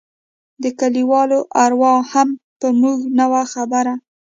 د كليوالو اروا هم په موږ نه وه خبره.